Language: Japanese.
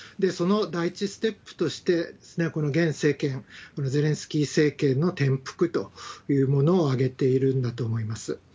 その第一ステップとしてこの現政権、このゼレンスキー政権の転覆というものを挙げているんだと思います。